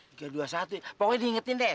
pokoknya diingetin deh